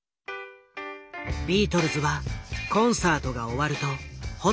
ビートルズはコンサートが終わるとホテルに直行。